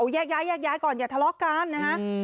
โอ้ยย้ายย้ายย้ายย้ายก่อนอย่าทะเลาะกันนะฮะอืม